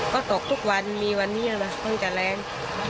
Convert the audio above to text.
ก็ตกทุกวันมีวันนี้นะเพิ่งจะแรง